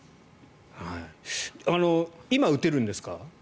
今は打てるんですか？